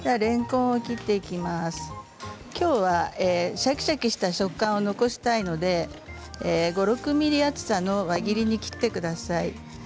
シャキシャキした食感を残したいので５、６ｍｍ厚さの輪切りにしてください。